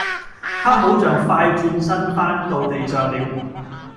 她好像快轉身翻到地上了